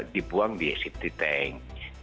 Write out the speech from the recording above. dibuang di sitt tank